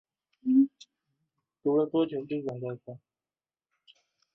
战争过程主要是同盟国和协约国之间的战斗。